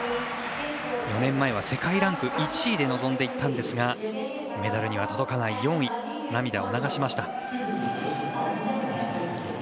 ４年前は世界ランク１位で臨んでいったんですがメダルには届かない４位。涙を流しました。